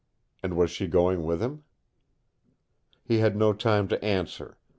And was she going with him? He had no time to answer.